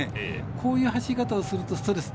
こういう走り方をするとストレス